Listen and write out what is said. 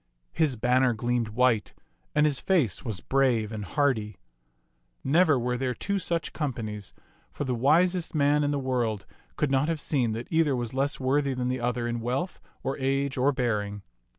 His banner gleamed white and his face was brave and h^rdy. Never were there two such companies, for the widest man in the world could not have seen that either was less worthy than the other in wealth or age or bearing.